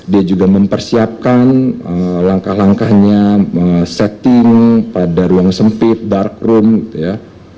dia juga mempersiapkan langkah langkahnya setting pada ruang sempit dark room ya